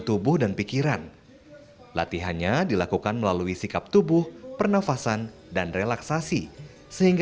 tubuh dan pikiran latihannya dilakukan melalui sikap tubuh pernafasan dan relaksasi sehingga